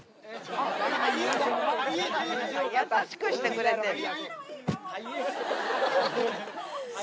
優しくしてくれてるんだ。